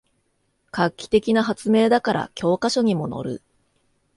画期的な発明だから教科書にものる